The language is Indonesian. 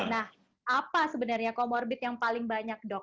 nah apa sebenarnya comorbid yang paling banyak dok